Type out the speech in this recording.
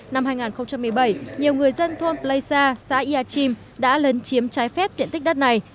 năm hai nghìn một mươi bảy nhiều người dân thôn pleisa xã iachim đã lấn chiếm trái phép diện tích đất này